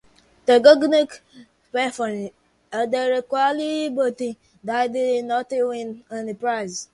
The Gugnunc performed adequately but did not win any prizes.